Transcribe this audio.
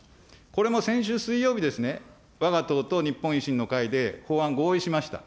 これも先週水曜日ですね、わが党と日本維新の会で法案合意しました。